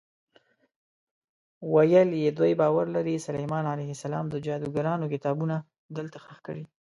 ویل یې دوی باور لري سلیمان علیه السلام د جادوګرانو کتابونه دلته ښخ کړي.